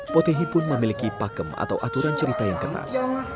potehi pun memiliki pakem atau aturan cerita yang ketat